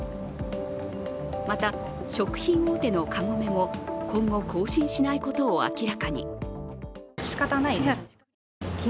また、食品大手のカゴメも今後、更新しないことを明らかに。